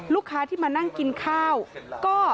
ลูกค้าที่มานั่งกินข้าวก็